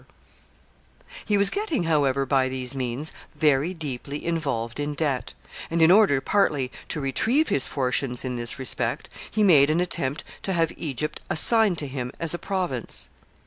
] He was getting, however, by these means, very deeply involved in debt; and, in order partly to retrieve his fortunes in this respect, he made an attempt to have Egypt assigned to him as a province.